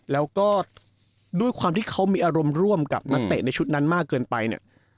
แล้วก็ด้วยความที่เขามีอารมณ์ร่วมกับนักเตะในชุดนั้นมากเกินไปเนี่ย